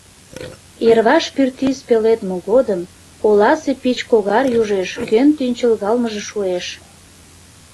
Йырваш пӱртӱс пеледме годым Оласе пич-когар южеш Кӧн тӱнчыгалмыже шуэш?